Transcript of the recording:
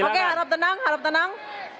oke harap tenang harap tenang